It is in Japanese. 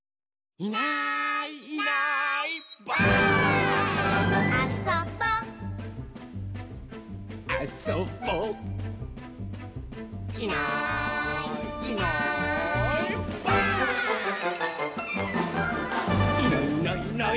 「いないいないいない」